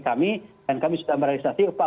kami dan kami sudah merrealisasi pak